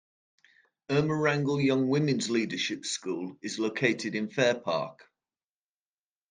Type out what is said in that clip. Irma Rangel Young Women's Leadership School is located in Fair Park.